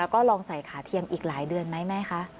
แล้วก็ลองใส่ขาเทียมอีกหลายเดือนไหมแม่คะ